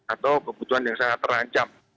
atau kebutuhan yang sangat terancam